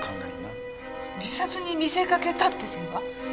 自殺に見せかけたって線は？